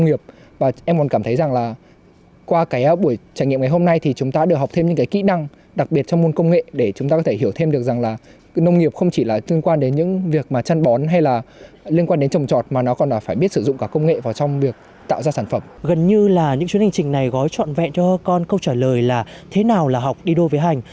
gần như là những chuyến hành trình này gói trọn vẹn cho con câu trả lời là thế nào là học đi đô về hành